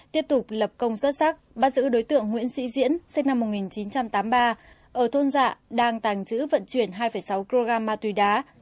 tiếp tục lập công xuất sắc bắt giữ đối tượng nguyễn sĩ diễn sinh năm một nghìn chín trăm tám mươi ba ở thôn dạ đang tàng trữ vận chuyển hai sáu kg ma túy đá